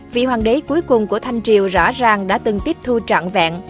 vị hoàng đế cuối cùng của thanh triều rõ ràng đã từng tiếp thu trạng vẹn